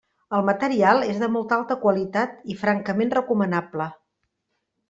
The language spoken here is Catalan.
El material és de molta alta qualitat i francament recomanable.